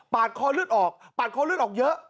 คอเลือดออกปาดคอเลือดออกเยอะ